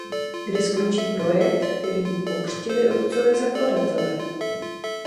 Kde skončí projekt, který pokřtili otcové zakladatelé?